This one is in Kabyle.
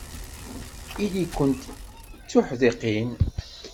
Ili-kent d tuḥdiqin.